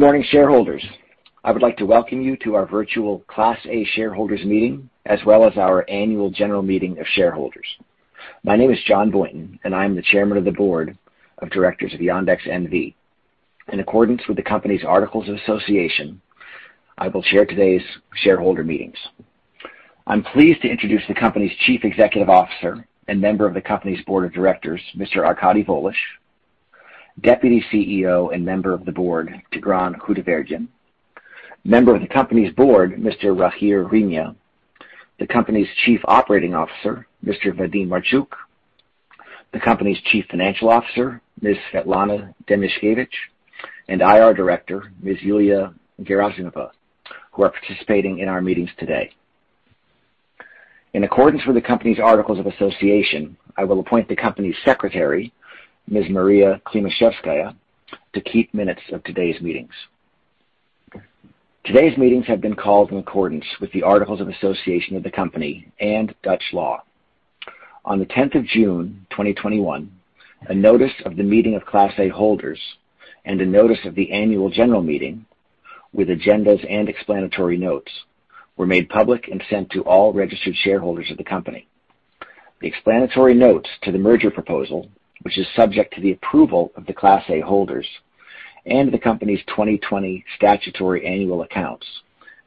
Good morning, shareholders. I would like to welcome you to our virtual Class A shareholders meeting, as well as our annual general meeting of shareholders. My name is John Boynton, and I am the Chairman of the Board of Directors of Yandex N.V. In accordance with the company's articles of association, I will chair today's shareholder meetings. I'm pleased to introduce the company's Chief Executive Officer and member of the company's Board of Directors, Mr. Arkady Volozh, Deputy CEO and member of the board, Tigran Khudaverdyan, member of the company's board, Mr. Rogier Rijnja, the company's Chief Operating Officer, Mr. Vadim Marchuk, the company's Chief Financial Officer, Ms. Svetlana Demyashkevich, and IR Director, Ms. Yulia Gerasimova, who are participating in our meetings today. In accordance with the company's articles of association, I will appoint the Company Secretary, Ms. Maria Klimashevskaya, to keep minutes of today's meetings. Today's meetings have been called in accordance with the articles of association of the company and Dutch law. On the 10th of June 2021, a notice of the meeting of Class A holders and a notice of the annual general meeting with agendas and explanatory notes were made public and sent to all registered shareholders of the company. The explanatory notes to the merger proposal, which is subject to the approval of the Class A holders, and the company's 2020 statutory annual accounts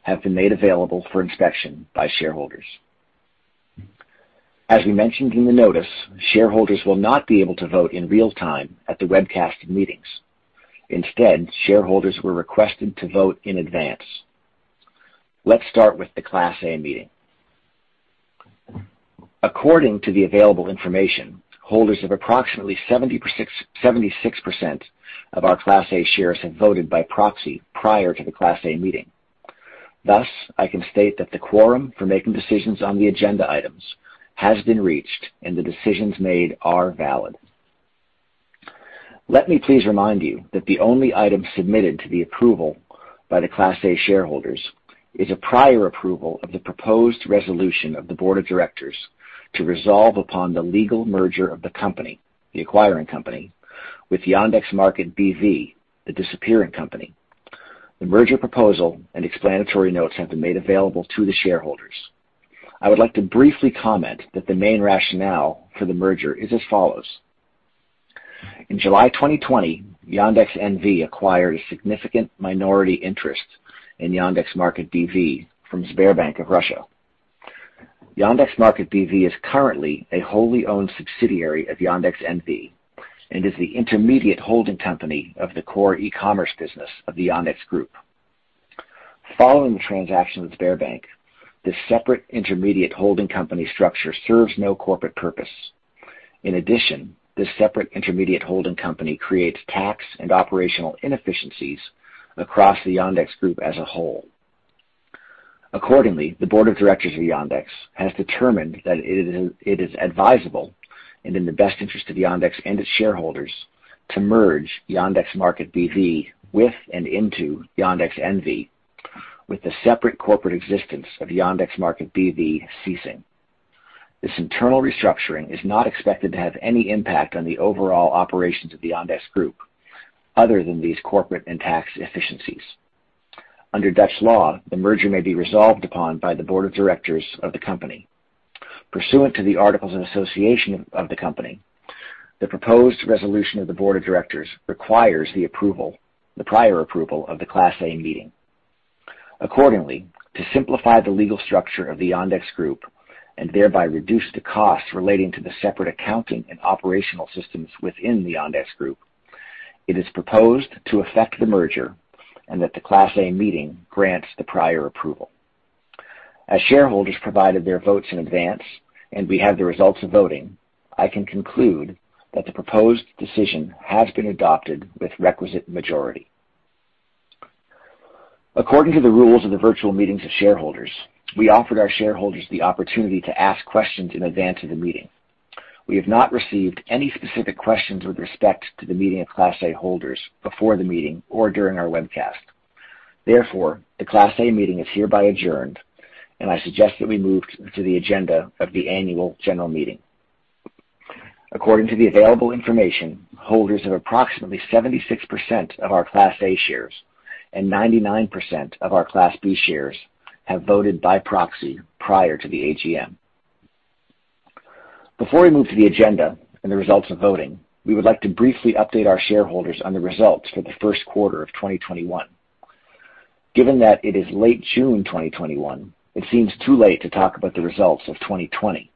have been made available for inspection by shareholders. As we mentioned in the notice, shareholders will not be able to vote in real-time at the webcast meetings. Instead, shareholders were requested to vote in advance. Let's start with the Class A meeting. According to the available information, holders of approximately 76% of our Class A shares have voted by proxy prior to the Class A meeting. Thus, I can state that the quorum for making decisions on the agenda items has been reached, and the decisions made are valid. Let me please remind you that the only item submitted to the approval by the Class A shareholders is a prior approval of the proposed resolution of the Board of Directors to resolve upon the legal merger of the company, the acquiring company, with Yandex.Market B.V., the disappearing company. The merger proposal and explanatory notes have been made available to the shareholders. I would like to briefly comment that the main rationale for the merger is as follows. In July 2020, Yandex N.V. acquired a significant minority interest in Yandex.Market B.V. from Sberbank of Russia. Yandex.Market B.V. is currently a wholly owned subsidiary of Yandex N.V. and is the intermediate holding company of the core e-commerce business of the Yandex Group. Following the transaction with Sberbank, the separate intermediate holding company structure serves no corporate purpose. In addition, the separate intermediate holding company creates tax and operational inefficiencies across the Yandex Group as a whole. Accordingly, the Board of Directors of Yandex has determined that it is advisable and in the best interest of Yandex and its shareholders to merge Yandex.Market B.V. with and into Yandex N.V., with the separate corporate existence of Yandex.Market B.V. ceasing. This internal restructuring is not expected to have any impact on the overall operations of the Yandex Group other than these corporate and tax efficiencies. Under Dutch law, the merger may be resolved upon by the Board of Directors of the company. Pursuant to the articles of association of the company, the proposed resolution of the Board of Directors requires the prior approval of the Class A meeting. To simplify the legal structure of the Yandex Group and thereby reduce the cost relating to the separate accounting and operational systems within the Yandex Group, it is proposed to affect the merger, and that the Class A meeting grants the prior approval. Shareholders provided their votes in advance, and we have the results of the voting. I can conclude that the proposed decision has been adopted with the requisite majority. According to the rules of the virtual meetings of shareholders, we offered our shareholders the opportunity to ask questions in advance of the meeting. We have not received any specific questions with respect to the meeting of Class A holders before the meeting or during our webcast. The Class A meeting is hereby adjourned, and I suggest that we move to the agenda of the annual general meeting. According to the available information, holders of approximately 76% of our Class A shares and 99% of our Class B shares have voted by proxy prior to the AGM. Before we move to the agenda and the results of voting, we would like to briefly update our shareholders on the results for the first quarter of 2021. Given that it is late June 2021, it seems too late to talk about the results of 2020.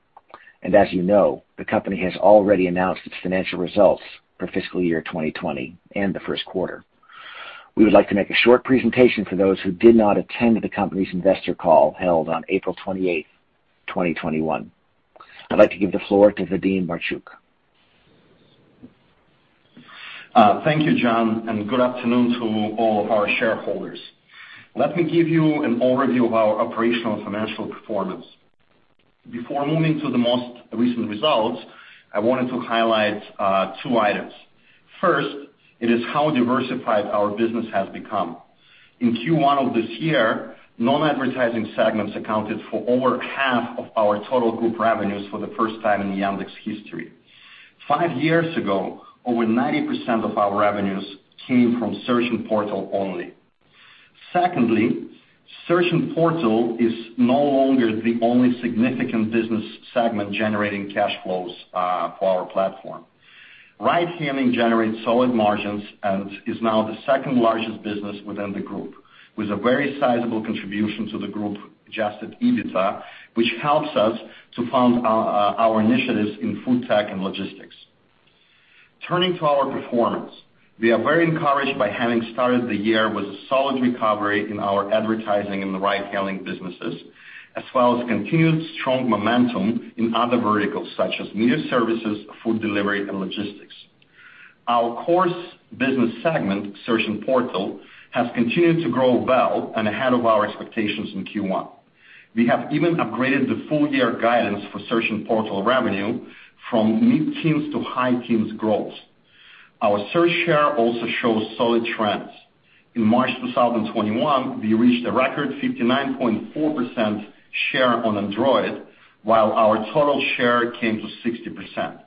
As you know, the company has already announced its financial results for the fiscal year 2020 and the first quarter. We would like to make a short presentation for those who did not attend the company's investor call held on April 28th, 2021. I'd like to give the floor to Vadim Marchuk. Thank you, John, and good afternoon to all of our shareholders. Let me give you an overview of our operational financial performance. Before moving to the most recent results, I wanted to highlight two items. First, it is how diversified our business has become. In Q1 of this year, non-advertising segments accounted for over half of our total group revenues for the first time in Yandex's history. Five years ago, over 90% of our revenues came from Search & Portal only. Secondly, Search & Portal is no longer the only significant business segment generating cash flows for our platform. Ride-hailing generates solid margins and is now the second largest business within the group, with a very sizable contribution to the group's adjusted EBITDA, which helps us to fund our initiatives in food tech and logistics. Turning to our performance, we are very encouraged by having started the year with a solid recovery in our advertising and the ride-hailing businesses, as well as continued strong momentum in other verticals such as media services, food delivery, and logistics. Our core business segment, Search & Portal, has continued to grow well and ahead of our expectations in Q1. We have even upgraded the full-year guidance for Search & Portal revenue from mid-teens to high-teens growth. Our search share also shows solid trends. In March 2021, we reached a record 59.4% share on Android, while our total share came to 60%.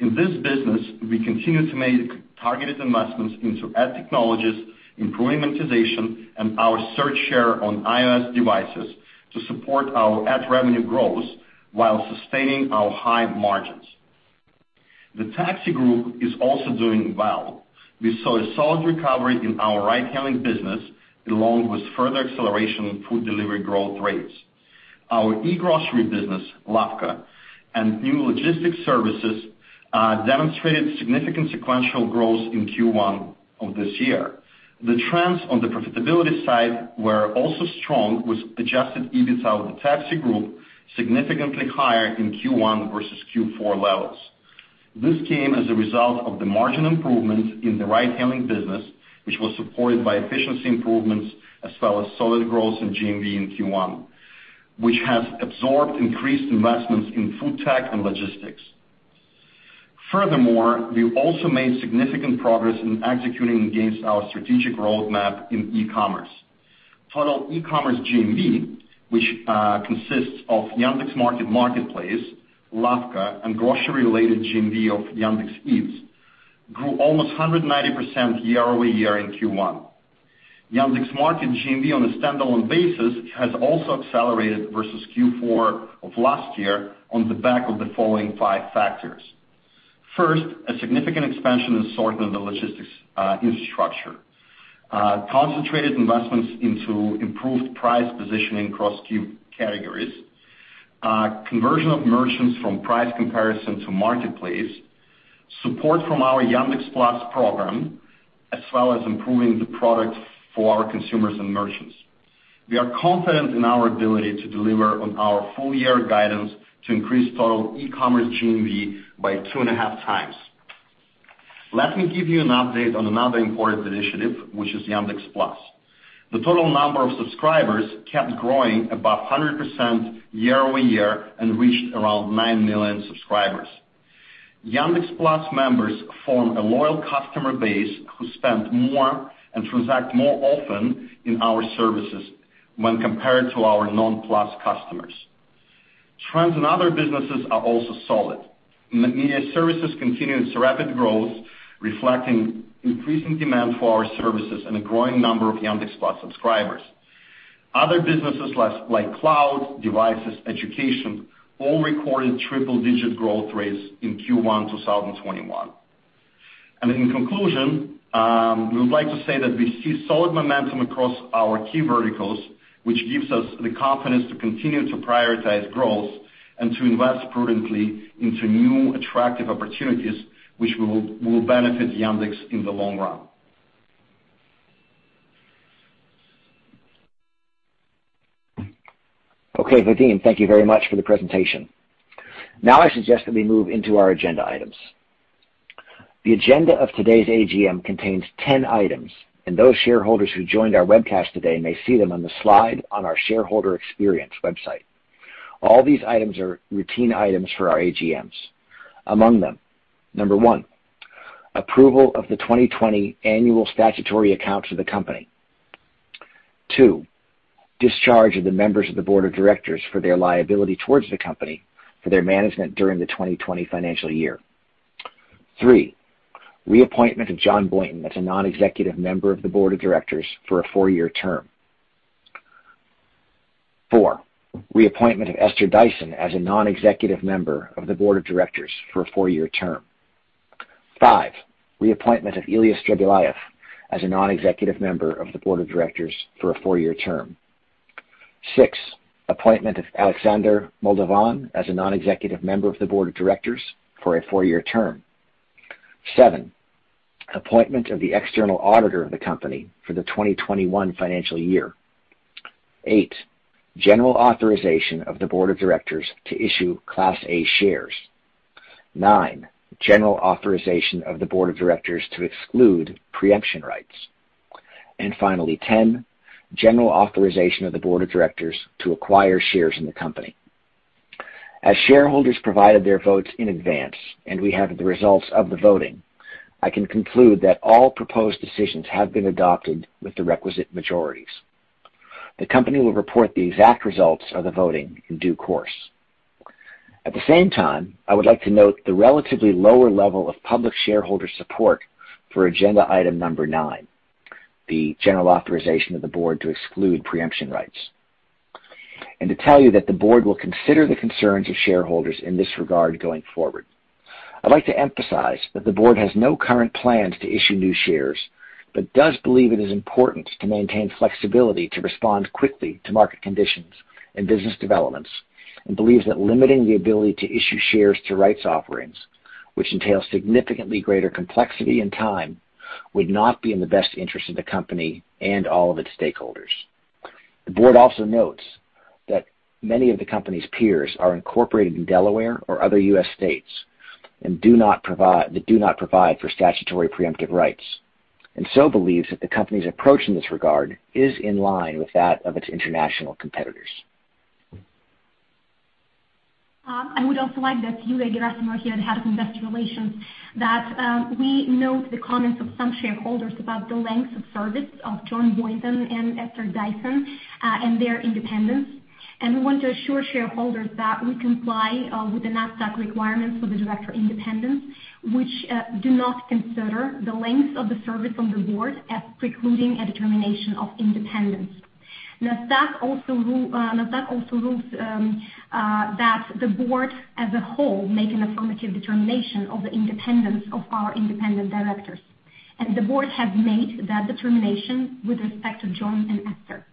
In this business, we continue to make targeted investments into ad technologies, improving monetization, and our search share on iOS devices to support our ad revenue growth while sustaining our high margins. The Taxi Group is also doing well. We saw a solid recovery in our ride-hailing business, along with further acceleration in food delivery growth rates. Our e-grocery business, Lavka, and new logistics services demonstrated significant sequential growth in Q1 of this year. The trends on the profitability side were also strong, with adjusted EBITDA of the Yandex Taxi Group significantly higher in Q1 versus Q4 levels. This came as a result of the margin improvements in the ride-hailing business, which was supported by efficiency improvements as well as solid growth in GMV in Q1, which has absorbed increased investments in food tech and logistics. Furthermore, we also made significant progress in executing against our strategic roadmap in e-commerce. Total e-commerce GMV, which consists of Yandex Market marketplace, Lavka, and grocery-related GMV of Yandex Eats, grew almost 190% year-over-year in Q1. Yandex Market GMV on a standalone basis has also accelerated versus Q4 of last year on the back of the following five factors. First, a significant expansion in sort and the logistics infrastructure, concentrated investments into improved price positioning across key categories, conversion of merchants from price comparison to marketplace, support from our Yandex Plus program, as well as improving the product for our consumers and merchants. We are confident in our ability to deliver on our full-year guidance to increase total e-commerce GMV by 2.5x. Let me give you an update on another important initiative, which is Yandex Plus. The total number of subscribers kept growing about 100% year-over-year and reached around 9 million subscribers. Yandex Plus members form a loyal customer base who spend more and transact more often in our services when compared to our non-Plus customers. Trends in other businesses are also solid. Media services continued its rapid growth, reflecting increasing demand for our services and a growing number of Yandex Plus subscribers. Other businesses like Cloud, Devices, Education all recorded triple-digit growth rates in Q1 2021. In conclusion, we would like to say that we see solid momentum across our key verticals, which gives us the confidence to continue to prioritize growth and to invest prudently into new attractive opportunities, which will benefit Yandex in the long run. Okay, Vadim, thank you very much for the presentation. I suggest that we move into our agenda items. The agenda of today's AGM contains 10 items, and those shareholders who joined our webcast today may see them on the slide on our shareholder experience website. All these items are routine items for our AGMs. Among them, number one, approval of the 2020 annual statutory accounts of the company. Two, discharge of the members of the Board of Directors for their liability towards the company for their management during the 2020 financial year. Three, reappointment of John Boynton as a Non-Executive Member of the Board of Directors for a four-year term. Four, reappointment of Esther Dyson as a Non-Executive member of the Board of Directors for a four-year term. Five, reappointment of Ilya Strebulaev as a Non-Executive Member of the Board of Directors for a four-year term. Six, appointment of Alexander Moldovan as a Non-Executive Member of the Board of Directors for a four-year term. Seven, appointment of the External Auditor of the Company for the 2021 financial year. Eight, general authorization of the Board of Directors to issue Class A shares. Nine, general authorization of the Board of Directors to exclude preemption rights. Finally, 10, general authorization of the Board of Directors to acquire shares in the Company. As shareholders provided their votes in advance and we have the results of the voting, I can conclude that all proposed decisions have been adopted with the requisite majorities. The Company will report the exact results of the voting in due course. At the same time, I would like to note the relatively lower level of public shareholder support for agenda item number nine, the general authorization of the board to exclude preemption rights, and to tell you that the board will consider the concerns of shareholders in this regard going forward. I'd like to emphasize that the board has no current plans to issue new shares, but does believe it is important to maintain flexibility to respond quickly to market conditions and business developments, and believes that limiting the ability to issue shares to rights offerings, which entails significantly greater complexity and time, would not be in the best interest of the company and all of its stakeholders. The board also notes that many of the company's peers are incorporated in Delaware or other U.S. states, that do not provide for statutory preemptive rights, and so believes that the company's approach in this regard is in line with that of its international competitors. I would also like that Yulia Gerasimova here, the Head of Investor Relations, that we note the comments of some shareholders about the length of service of John Boynton and Esther Dyson, and their independence. We want to assure shareholders that we comply with the Nasdaq requirements for director independence, which do not consider the length of the service on the board as precluding a determination of independence. Nasdaq also rules that the board as a whole make an affirmative determination of the independence of our independent directors, and the board has made that determination with respect to John and Esther.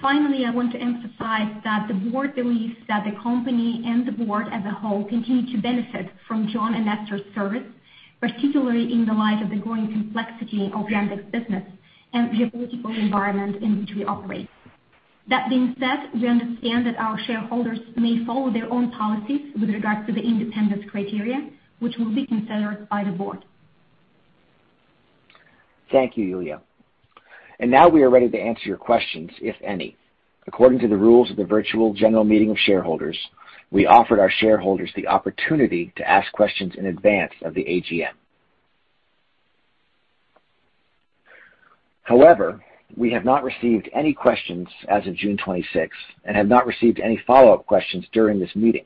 Finally, I want to emphasize that the board believes that the company and the board as a whole continue to benefit from John and Esther's service, particularly in the light of the growing complexity of Yandex's business and the political environment in which we operate. That being said, we understand that our shareholders may follow their own policies with regard to the independence criteria, which will be considered by the board. Thank you, Yulia. Now we are ready to answer your questions, if any. According to the rules of the virtual general meeting of shareholders, we offered our shareholders the opportunity to ask questions in advance of the AGM. However, we have not received any questions as of June 26th and have not received any follow-up questions during this meeting.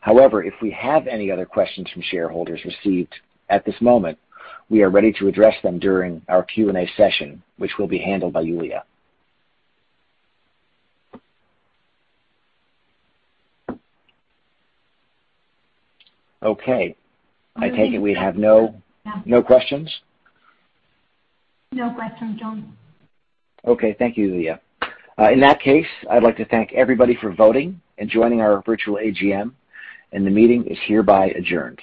However, if we have any other questions from shareholders received at this moment, we are ready to address them during our Q&A session, which will be handled by Yulia. Okay, I take it we have no questions? No questions, John. Okay. Thank you, Yulia. In that case, I'd like to thank everybody for voting and joining our virtual AGM, and the meeting is hereby adjourned.